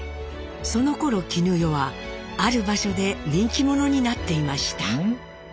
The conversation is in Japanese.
そのころ絹代はある場所で人気者になっていました。